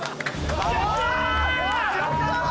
やった！